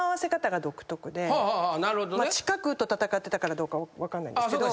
近くと戦ってたからどうか分かんないんですけど。